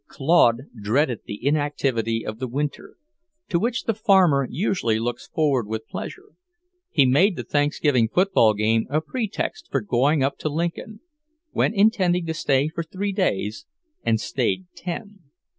XV Claude dreaded the inactivity of the winter, to which the farmer usually looks forward with pleasure. He made the Thanksgiving football game a pretext for going up to Lincoln, went intending to stay three days and stayed ten.